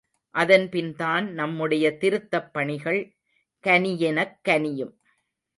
அதன் பின்தான் நம்முடைய திருத்தப் பணிகள் கனியெனக் கனியும்.